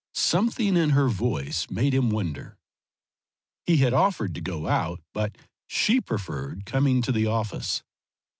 Something in her voice made him wonder. He had offered to go out, but she preferred coming to the office.